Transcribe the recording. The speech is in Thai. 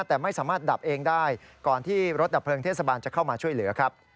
แต่ไม่สามารถดับเองได้ก่อนที่รถดับเพลิงเทศบาลจะเข้ามาช่วยเหลือครับ